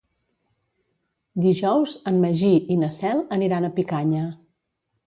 Dijous en Magí i na Cel aniran a Picanya.